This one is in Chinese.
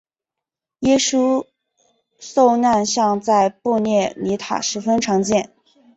耶稣受难像在布列尼塔十分常见。